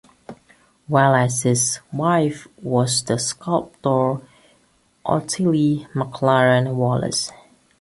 Wallace's wife was the sculptor Ottilie Maclaren Wallace.